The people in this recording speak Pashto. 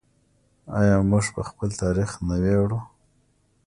آیا موږ په خپل تاریخ نه ویاړو؟